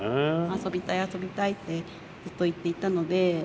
「遊びたい遊びたい」ってずっと言っていたので。